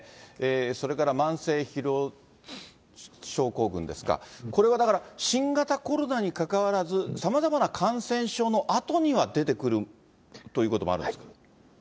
それから慢性疲労症候群ですか、これはだから新型コロナにかかわらず、さまざまな感染症のあとには出てくるということもあるんですかね。